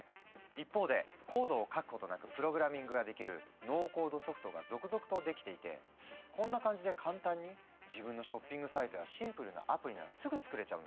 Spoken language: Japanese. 一方でコードを書くことなくプログラミングができる「ノーコードソフト」が続々と出来ていてこんな感じで簡単に自分のショッピングサイトやシンプルなアプリならすぐ作れちゃうんだって。